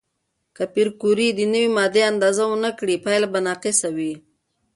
که پېیر کوري د نوې ماده اندازه ونه کړي، پایله به ناقصه وي.